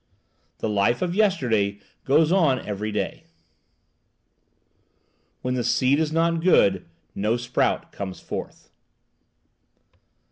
"The life of yesterday goes on every day." "When the seed is not good, no sprout comes forth."